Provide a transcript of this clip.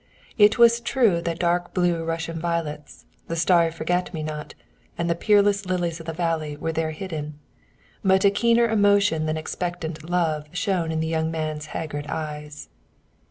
It was true that dark blue Russian violets, the starry forget me not, and the peerless lilies of the valley were therein hidden, but a keener emotion than expectant love shone in the young man's haggard eyes.